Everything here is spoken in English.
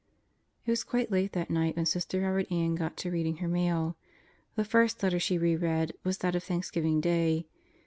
It was quite late that night when Sister Robert Ann got to reading her mail. The first letter she re read was that of Thanks giving Day.